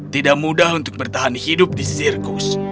tidak mudah untuk bertahan hidup di sirkus